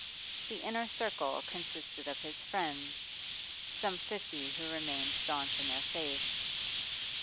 The inner circle consisted of his friends some fifty who remained staunch in their faith.